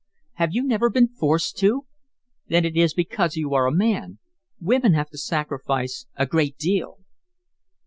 "Have you never been forced to? Then it is because you are a man. Women have to sacrifice a great deal."